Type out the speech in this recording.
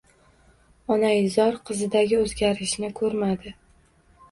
Onaizor qizidagi oʻzgarishni koʻrmadi.